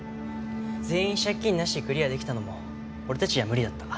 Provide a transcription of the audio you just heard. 全員借金なしでクリアできたのも俺たちじゃ無理だった。